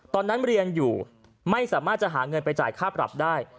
ตอนนั้นเรียนอยู่ไม่สามารถจะหาเงินไปจ่ายค่าปรับได้